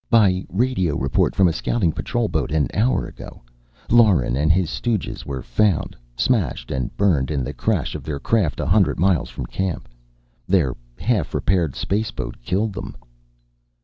By radio report from a scouting Patrol boat an hour ago, Lauren and his stooges were found, smashed and burned in the crash of their craft a hundred miles from camp. Their half repaired spaceboat killed them."